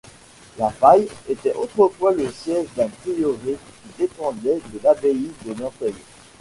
La Faye était autrefois le siège d'un prieuré qui dépendait de l'abbaye de Nanteuil.